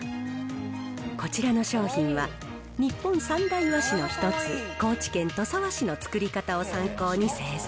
こちらの商品は、日本三大和紙の一つ、高知県土佐和紙の作り方を参考に製造。